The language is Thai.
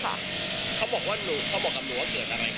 เขาบอกว่าหนูเขาบอกกับหนูว่าเกิดอะไรขึ้น